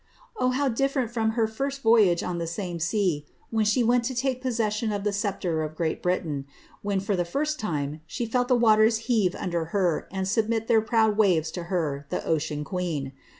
Oli ! how ditferent from her first vojrage on the i>aine ii«'ii, when she went to take int^ses^ion of the sceptre of Great Britain, when, for the liral time, ^he felt the waters heave under her, and submit their ])roud waves to her, the ocean queen.